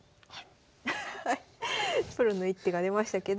プロの一手が出ましたけど。